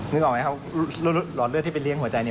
นึกออกไหมครับหลอดเลือดที่ไปเลี้ยงหัวใจ